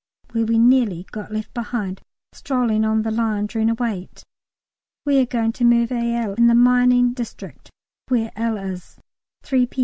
where we nearly got left behind strolling on the line during a wait. We are going to Merville in the mining district where L. is. 3 P.